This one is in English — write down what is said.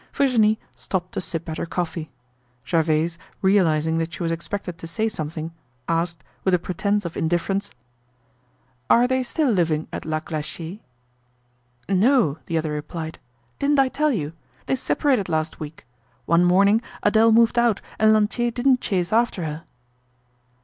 Virginie stopped to sip at her coffee. Gervaise, realizing that she was expected to say something, asked, with a pretence of indifference: "Are they still living at La Glaciere?" "No!" the other replied. "Didn't I tell you? They separated last week. One morning, Adele moved out and Lantier didn't chase after her."